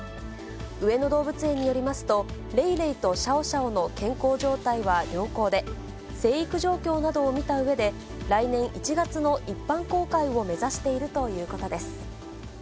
上野動物園によりますと、レイレイとシャオシャオの健康状態は良好で、成育状況などを見たうえで、来年１月の一般公開を目指しているということです。